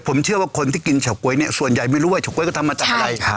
ผมเชื่อว่าคนที่กินเฉาก๊วยเนี่ยส่วนใหญ่ไม่รู้ว่าเฉก๊วก็ทำมาจากอะไร